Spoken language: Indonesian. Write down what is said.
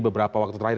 beberapa waktu terakhir